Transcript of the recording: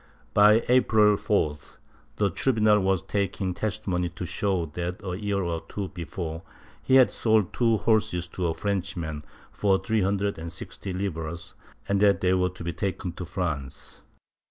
By April 4th, the tribunal was taking testimony to show that, a year or two before, he had sold two horses to a French man for three hundred and sixty libras and that they were to be taken to France.